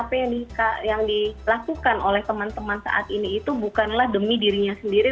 apa yang dilakukan oleh teman teman saat ini itu bukanlah demi dirinya sendiri